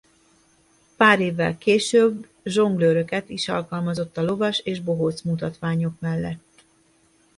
Pár évvel később zsonglőröket is alkalmazott a lovas és bohóc mutatványok mellett.